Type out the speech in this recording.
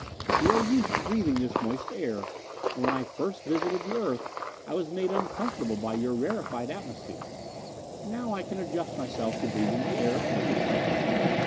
We are used to breathing this moist air, and when I first visited the earth I was made uncomfortable by your rarified atmosphere. Now I can adjust myself to breathing the air of either planet.